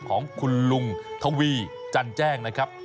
ของคุณลุงทวีจันแจ้งนะครับ